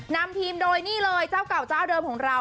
นำทีมโดยนี่เลยเจ้าเก่าเจ้าเดิมของเรา